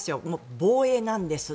防衛なんです